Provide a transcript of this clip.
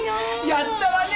やったわね！